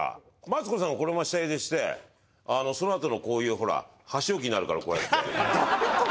マツコさんはこのまま下ゆでしてそのあとのこういうほら箸置きになるからこうやって。